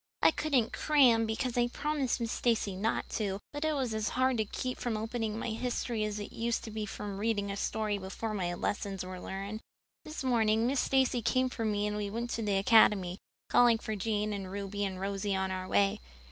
I couldn't 'cram' because I'd promised Miss Stacy not to, but it was as hard to keep from opening my history as it used to be to keep from reading a story before my lessons were learned. "This morning Miss Stacy came for me and we went to the Academy, calling for Jane and Ruby and Josie on our way.